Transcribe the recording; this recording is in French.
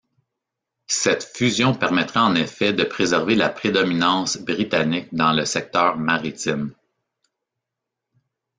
Cette fusion permettrait en effet de préserver la prédominance britannique dans le secteur maritime.